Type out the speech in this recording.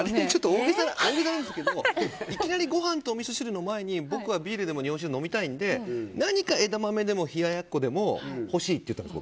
大げさなんですけどいきなり、ごはんとおみそ汁の前に僕はビールでも日本酒でも飲みたいので何か枝豆でも冷ややっこでも欲しいって言った。